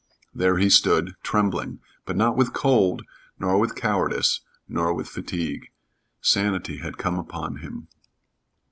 There he stood, trembling, but not with cold, nor with cowardice, nor with fatigue. Sanity had come upon him.